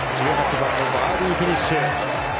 １８番もバーディーフィニッシュ。